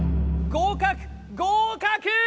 合格合格！